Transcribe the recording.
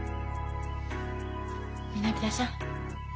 南田さん。